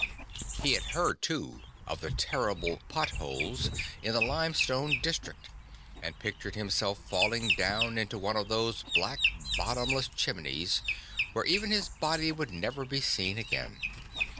He had heard too of the terrible "pot" holes in the limestone district, and pictured himself falling down into one of those black bottomless chimneys, where even his body would never be seen again.